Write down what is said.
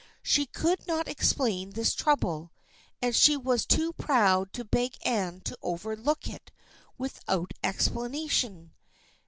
She could not explain this trouble, and she was too proud to beg Anne to overlook it without explanation.